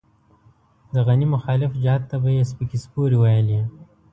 د غني مخالف جهت ته به يې سپکې سپورې ويلې.